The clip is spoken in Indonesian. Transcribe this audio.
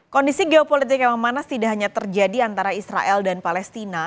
kondisi geopolitik yang memanas tidak hanya terjadi antara israel dan palestina